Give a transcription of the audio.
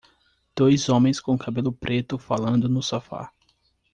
Dois homens com cabelo preto falando no sofá.